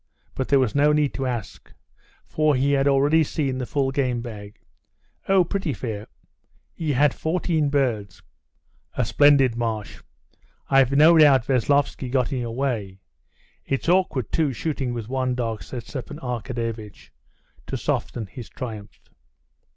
But there was no need to ask, for he had already seen the full game bag. "Oh, pretty fair." He had fourteen birds. "A splendid marsh! I've no doubt Veslovsky got in your way. It's awkward too, shooting with one dog," said Stepan Arkadyevitch, to soften his triumph.